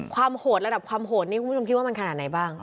โหดระดับความโหดนี้คุณผู้ชมคิดว่ามันขนาดไหนบ้าง